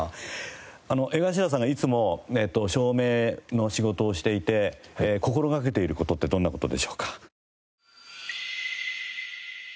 江頭さんがいつも照明の仕事をしていて心がけている事ってどんな事でしょうか？